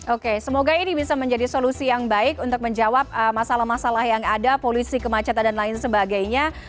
oke semoga ini bisa menjadi solusi yang baik untuk menjawab masalah masalah yang ada polusi kemacetan dan lain sebagainya